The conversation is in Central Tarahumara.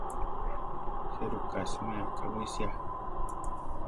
¿Jéruka siméa kawísia?